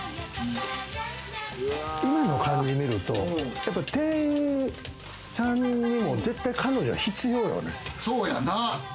今の感じ見ると、店員さんにも絶対彼女は必要よね。